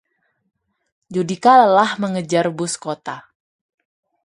judika lelah mengejar bus kota